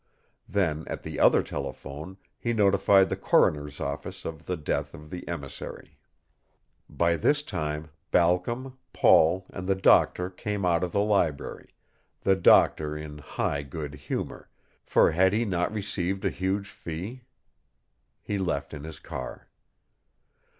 Then, at the other telephone, he notified the coroner's office of the death of the emissary. By this time Balcom, Paul, and the doctor came out of the library, the doctor in high good humor, for had he not received a huge fee? He left in his car.